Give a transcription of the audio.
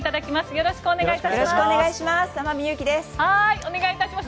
よろしくお願いします。